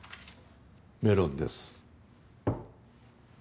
メロンです。